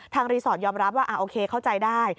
รีสอร์ทยอมรับว่าโอเคเข้าใจได้